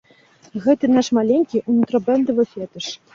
Гэта наш маленькі унутрыбэндавы фетыш.